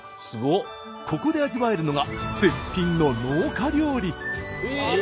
ここで味わえるのが絶品の農家料理。